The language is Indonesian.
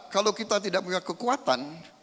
kalau kita tidak punya kekuatan